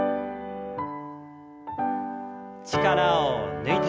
力を抜いて。